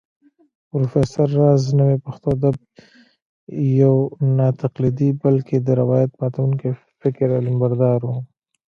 پروفېسر راز نوې پښتو ادب يو ناتقليدي بلکې د روايت ماتونکي فکر علمبردار و